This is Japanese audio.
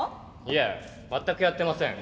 いえ全くやってません。